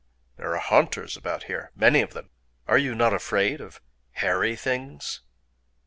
There are haunters about here,—many of them. Are you not afraid of Hairy Things?"